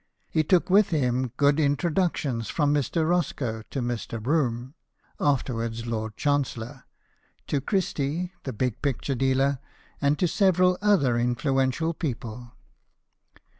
He took with him good introductions from Mr. Roscoe to Mr. Brougham (afterwards Lord Chancellor), to Christie, the big picture dealer, and to several other influential people.